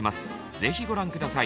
ぜひご覧下さい。